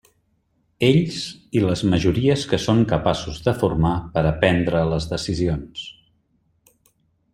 Ells i les majories que són capaços de formar per a prendre les decisions.